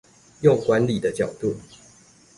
用管理的角度